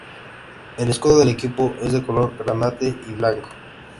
El escudo del equipo es de color granate y blanco.